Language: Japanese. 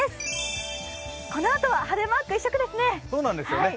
このあとは晴れマーク一色ですね。